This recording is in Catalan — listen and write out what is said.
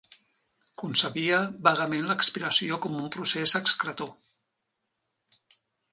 Concebia vagament l'expiració com un procés excretor.